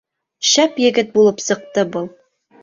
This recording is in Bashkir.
Шәп егет булып сыҡты был.